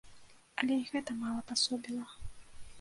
Але і гэта мала пасобіла.